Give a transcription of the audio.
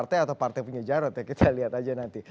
partai atau partai punya jarod ya kita lihat aja nanti